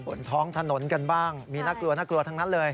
บนท้องถนนกันบ้างมีน่ากลัวน่ากลัวทั้งนั้นเลย